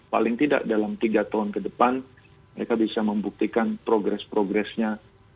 paling tidak dalam tiga tahun ke depan mereka bisa membuktikan progres progresnya